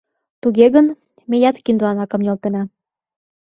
Туге гын меат киндылан акым нӧлтена...